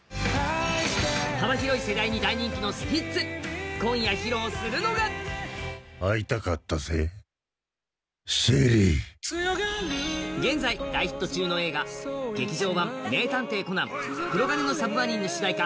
幅広い世代に大人気のスピッツ、今夜、披露するのが現在、大ヒット中の映画、劇場版「名探偵コナン黒鉄の魚影」の主題歌